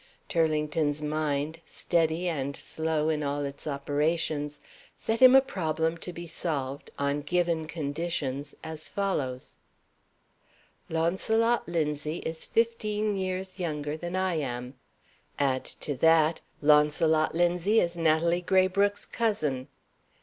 Turlington's mind, steady and slow in all its operations, set him a problem to be solved, on given conditions, as follows: "Launcelot Linzie is fifteen years younger than I am. Add to that, Launcelot Linzie is Natalie Graybrooke's cousin.